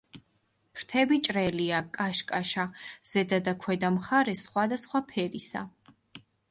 ფრთები ჭრელია, კაშკაშა, ზედა და ქვედა მხარე სხვადასხვა ფერისა.